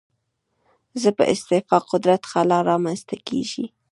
زما په استعفا قدرت خلا رامنځته کېږي.